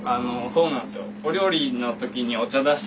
そうなんですよ。